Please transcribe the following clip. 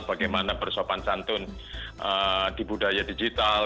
bagaimana bersopan santun di budaya digital